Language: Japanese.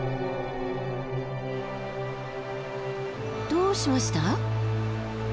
どうしました？